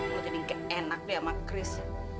lu jadi keenak deh sama chris